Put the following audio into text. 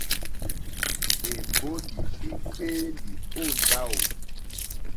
Èmbólì èkpéélì ó ndáwò.